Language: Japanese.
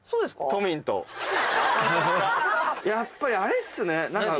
やっぱりあれっすね何か。